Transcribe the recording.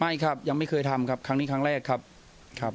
ไม่ครับยังไม่เคยทำครับครั้งนี้ครั้งแรกครับครับ